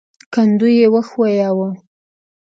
کندو يې وښوياوه.